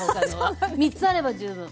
３つあれば十分。